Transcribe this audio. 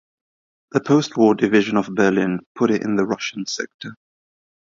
The post-war division of Berlin put it in the Russian sector.